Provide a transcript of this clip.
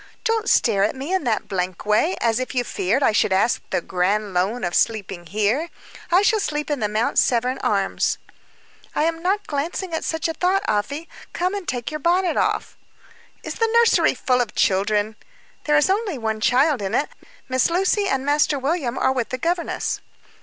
Don't stare at me in that blank way, as if you feared I should ask the grand loan of sleeping here. I shall sleep at the Mount Severn Arms." "I was not glancing at such a thought, Afy. Come and take your bonnet off." "Is the nursery full of children?" "There is only one child in it. Miss Lucy and Master William are with the governess."